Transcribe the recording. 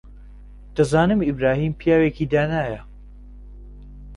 دەزانم ئیبراهیم پیاوێکی دانایە.